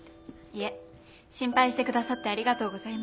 いえ心配して下さってありがとうございます。